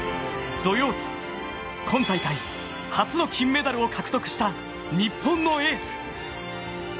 土曜、今大会、初の金メダルを獲得した日本のエース。